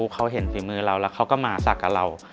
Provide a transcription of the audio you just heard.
เขาเห็นฝีมือเราแล้วเขาก็มาศักดิ์กับเรา